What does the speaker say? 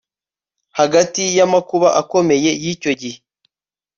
Hagati yamakuba akomeye yicyo gihe